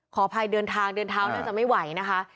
ขออภัยเดินทางเดินเท้าน่าจะไม่ไหวนะคะ